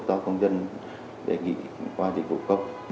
do công dân đề nghị qua dịch vụ công